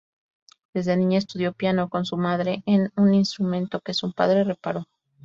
Desde niña estudió piano con su madre en un instrumento que su padre reparó.